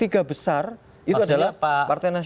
tiga besar itu adalah partai nasional